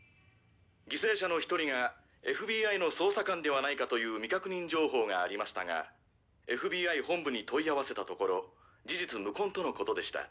犠牲者の１人がＦＢＩの捜査官ではないかという未確認情報がありましたがＦＢＩ本部に問い合わせたところ事実無根とのことでした。